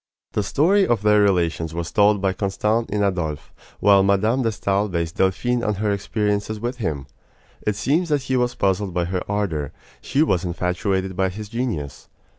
The story of their relations was told by Constant in Adolphe, while Mme. de Stael based Delphine on her experiences with him. It seems that he was puzzled by her ardor; she was infatuated by his genius.